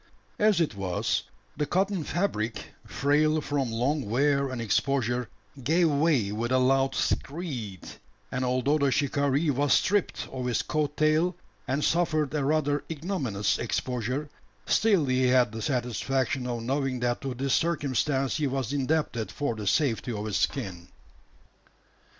As it was, the cotton fabric frail from long wear and exposure gave way with a loud "screed;" and although the shikaree was stripped of his coat tail, and suffered a rather ignominious exposure, still he had the satisfaction of knowing that to this circumstance he was indebted for the safety of his skin.